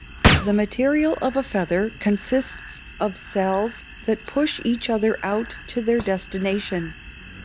The material of a feather consists of cells that push each other out to their destination.